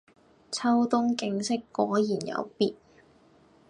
秋冬景色果然有別